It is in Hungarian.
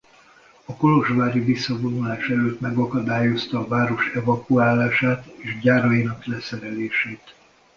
A kolozsvári visszavonulás előtt megakadályozta a város evakuálását és gyárainak leszerelését.